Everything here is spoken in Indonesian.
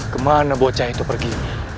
kemana bocah itu pergi